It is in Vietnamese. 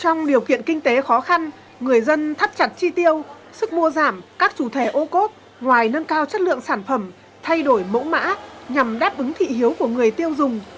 trong điều kiện kinh tế khó khăn người dân thắt chặt chi tiêu sức mua giảm các chủ thể ô cốt ngoài nâng cao chất lượng sản phẩm thay đổi mẫu mã nhằm đáp ứng thị hiếu của người tiêu dùng